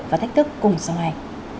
và thách thức cùng sau này